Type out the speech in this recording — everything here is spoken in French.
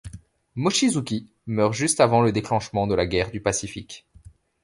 Mochizuki meurt juste avant le déclenchement de la guerre du Pacifique.